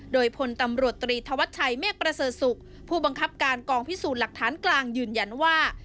โดยพลตำรวจตรีธวัชชัยเมฆประเสริฐศุกร์ผู้บังคับการกองพิสูจน์หลักฐานกลางยืนยันว่า